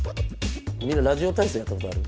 みんなラジオ体そうやったことある？